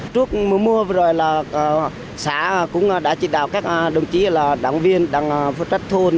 trước mùa mưa vừa rồi là xã cũng đã chỉ đạo các đồng chí là đảng viên đang phụ trách thôn